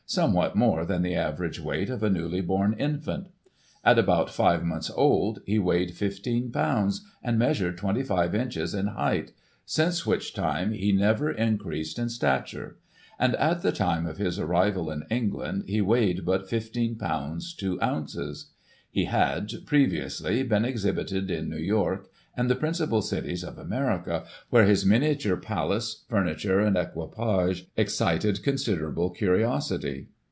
somewhat more than the average weight of a newly born infant. At about 5 months old, he weighed 15 lbs., and measured 25 inches in height; since which time he never increased in stature ; and, at the time of his arrived in England, he weighed but 1 5 lbs. 2 oz. He had, previously, been exhibited in New York and the principal cities of America, where his miniature palace, furniture and equipage excited considerable curiosity.